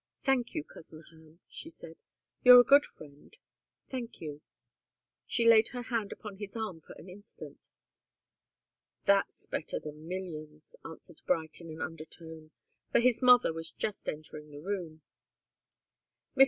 "Thank you, cousin Ham," she said. "You're a good friend. Thank you." She laid her hand upon his arm for an instant. "That's better than millions," answered Bright, in an undertone, for his mother was just entering the room. Mrs.